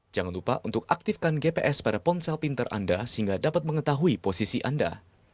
jangan lupa untuk aktifkan gps pada ponsel pintar anda sehingga dapat mengetahui posisi anda